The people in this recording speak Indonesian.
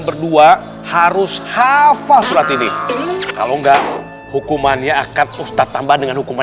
berdua harus hafal surat ini kalau enggak hukumannya akan ustadz tambah dengan hukuman